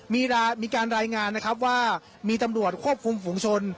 มีการรายงานนะครับว่ามีตำรวจควบคุมฝุงชน